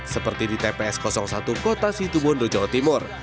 seperti di tps satu kota situbondo jawa timur